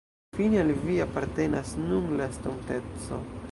Fine al vi apartenas nun la estonteco.